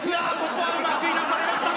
ここはうまくいなされました